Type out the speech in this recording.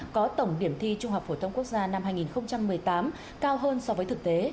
có tổng điểm thi trung học phổ thông quốc gia năm hai nghìn hai mươi